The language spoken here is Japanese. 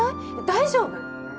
大丈夫？